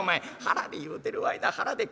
「腹で言うてるわいな腹で。